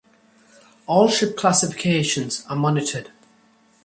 All ship classifications are monitored.